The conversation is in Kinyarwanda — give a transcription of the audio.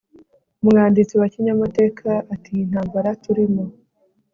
umwanditsi wa kinyamateka ati iyi ntambara turimo